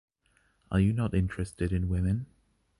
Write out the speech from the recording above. Are you not interested in women?